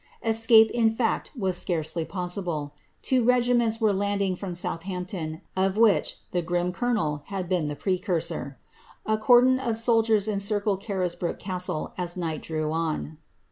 Escape, in fact, was scarcely possible. Two regiments were landing from Southampton, of which the grim colonel had been the precursor. A cordon of soldiers encircled Carisbrooke castle as night drew on.